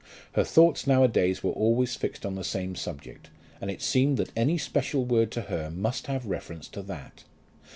Her thoughts now a days were always fixed on the same subject, and it seemed that any special word to her must have reference to that.